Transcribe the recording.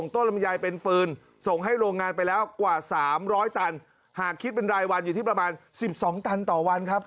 ทั้งโรงงานไปแล้วกว่าสามร้อยตันหากคิดเป็นรายวันอยู่ที่ประมาณสิบสองตันต่อวันครับ